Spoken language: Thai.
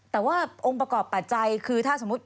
แต่ว่าองค์ประกอบปัจจัยคือถ้าสมมุติ